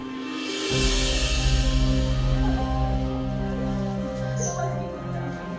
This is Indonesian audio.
ketika dianggap sebagai penyakit tersebut di mana saja itu terjadi